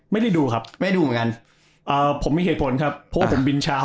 ไม่ได้ดูครับไม่ได้ดูเหมือนกันเอ่อผมมีเหตุผลครับเพราะว่าผมบินเช้า